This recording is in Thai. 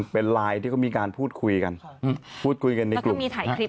เป็นไลน์ที่เขามีการพูดคุยกันพูดคุยกันในกลุ่มมีถ่ายคลิป